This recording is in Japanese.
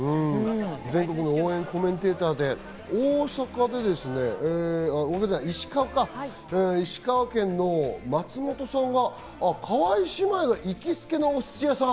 全国の応援コメンテーターで、石川県の松本さんが川井姉妹が行きつけのお寿司屋さん？